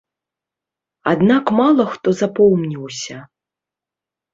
Аднак мала хто запомніўся.